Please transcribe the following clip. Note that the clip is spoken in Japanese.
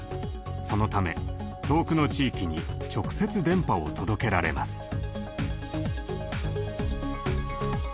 そのため遠くの地域に直接電波を届けられます。